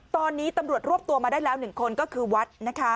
ตอนนี้ตำรวจรวบตัวมาได้แล้ว๑คนก็คือวัดนะคะ